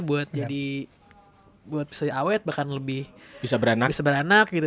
buat bisa awet bahkan lebih bisa beranak gitu